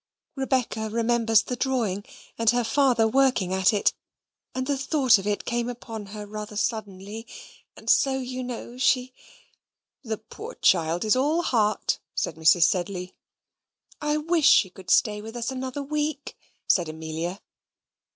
Rebecca remembers the drawing, and her father working at it, and the thought of it came upon her rather suddenly and so, you know, she " "The poor child is all heart," said Mrs. Sedley. "I wish she could stay with us another week," said Amelia.